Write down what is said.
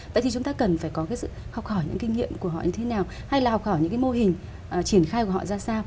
vậy thì chúng ta cần phải học hỏi những kinh nghiệm của họ như thế nào hay là học hỏi những mô hình triển khai của họ ra sao